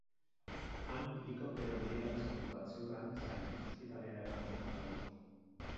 Han helikoptero medikalizatu bat zeukan zain ospitalera eramateko asmoz.